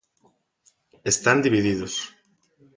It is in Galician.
Están divididos.